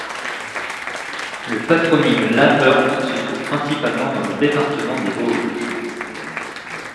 Le patronyme Laheurte se trouve principalement dans le département des Vosges.